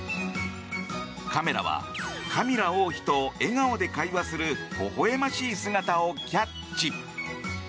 カメラはカミラ王妃と笑顔で会話するほほ笑ましい姿をキャッチ。